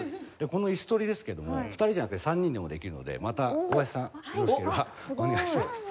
この椅子取りですけども２人じゃなくて３人でもできるのでまた小林さんよろしければお願いします。